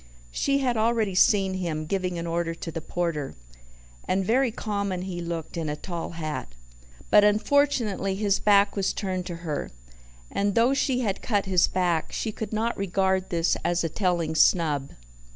She had already seen him, giving an order to the porter and very common he looked in a tall hat. But unfortunately his back was turned to her, and though she had cut his back, she could not regard this as a telling snub.